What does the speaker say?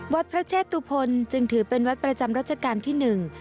วัดพระเชตุพลจึงถือเป็นวัดประจำรัชกาลที่หนึ่ง